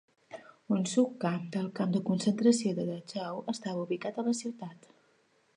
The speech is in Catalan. Un subcamp del camp de concentració de Dachau estava ubicat a la ciutat.